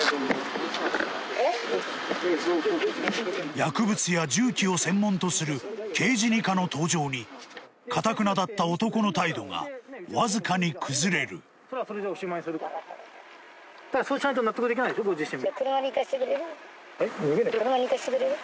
薬物や銃器を専門とする刑事二課の登場にかたくなだった男の態度がわずかに崩れるそうしないと納得できないでしょ？